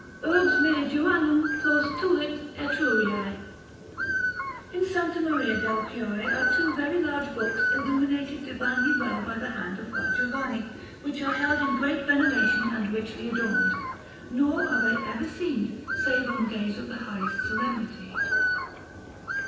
URBS ME JOANNEM FLOS TULIT ETRURIÆ. In S. Maria del Fiore are two very large books illuminated divinely well by the hand of Fra Giovanni, which are held in great veneration and richly adorned, nor are they ever seen save on days of the highest solemnity.